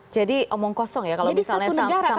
jadi omong kosong ya kalau misalnya sampai sekarang